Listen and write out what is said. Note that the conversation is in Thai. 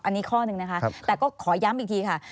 อันนี้ข้อหนึ่งนะคะแต่ก็ขอย้ำอีกทีค่ะ